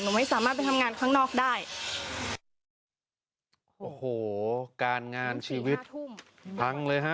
ไม่สามารถไปทำงานข้างนอกได้โอ้โหการงานชีวิตทุ่มพังเลยฮะ